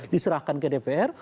diserahkan ke dpr